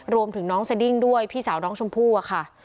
รวมถึงน้องสดิ้งด้วยพี่สาวน้องชมพู่อะค่ะ